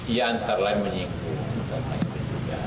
iya antara lain menyingkir